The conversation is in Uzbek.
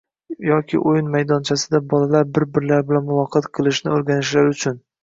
yoki o‘yin maydonchasida bolalar bir-birlari bilan muloqot qilishni o‘rganishlari uchun